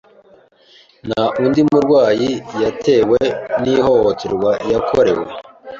nta undi urwayi ya yatewe n’ihohoterwa yakorewe